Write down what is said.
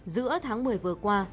giữa tháng một mươi vừa qua